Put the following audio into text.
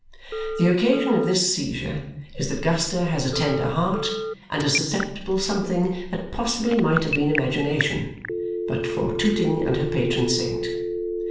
The occasion of this seizure is that Guster has a tender heart and a susceptible something that possibly might have been imagination, but for Tooting and her patron saint.